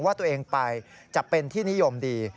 ว่าตัวเองไปจะเป็นที่นิยมดี